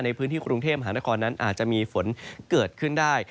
ในพื้นที่กรุงเทพหานครนั้นอาจจะมีฝนเกิดขึ้นได้